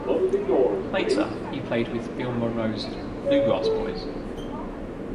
Later he played with Bill Monroe's Bluegrass Boys.